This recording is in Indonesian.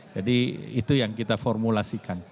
jadi itu yang kita formulasikan